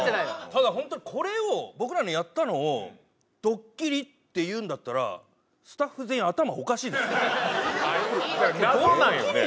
ただホントにこれを僕らのやったのをドッキリって言うんだったらスタッフ全員謎なんよね。